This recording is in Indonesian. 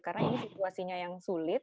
karena ini situasinya yang sulit